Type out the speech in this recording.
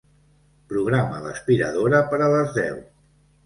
Programa l'aspiradora per a les deu.